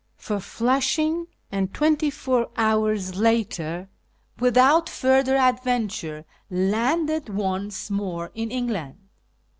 for Flushing, and twenty four hours later, without further adventure, landed once more in England.